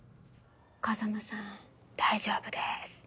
風真さん大丈夫です。